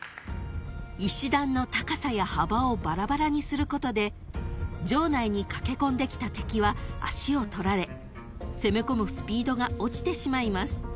［石段の高さや幅をバラバラにすることで城内に駆け込んできた敵は足をとられ攻め込むスピードが落ちてしまいます］